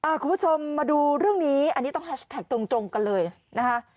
คุณผู้ชมมาดูเรื่องนี้อันนี้ต้องแฮชแท็กตรงตรงกันเลยนะคะ